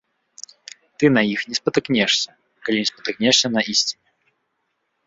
Ты на іх не спатыкнешся, калі не спатыкнешся на ісціне.